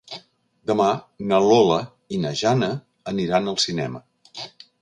Demà na Lola i na Jana aniran al cinema.